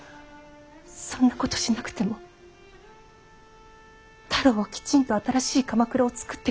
そんなことしなくても太郎はきちんと新しい鎌倉をつくってくれるわ。